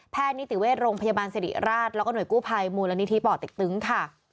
นิติเวชโรงพยาบาลสิริราชแล้วก็หน่วยกู้ภัยมูลนิธิป่อเต็กตึงค่ะ